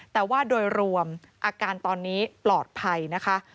แต่ว่าโดยรวมอาการตอนนี้ปลอดภัยนะคะ